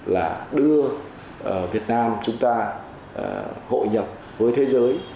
là đưa việt nam chúng ta hội nhập với thế giới